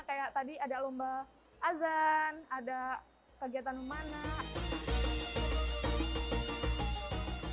kayak tadi ada lomba azan ada kegiatan memanah